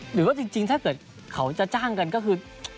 หรือว่าจริงถ้าเกิดเขาจะจ้างกันก็คือ